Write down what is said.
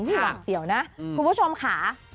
เหียวนะคุณผู้ชมค่ะ